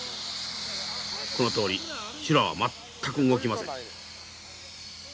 このとおり修羅は全く動きません。